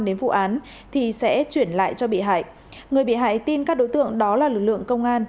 đến vụ án thì sẽ chuyển lại cho bị hại người bị hại tin các đối tượng đó là lực lượng công an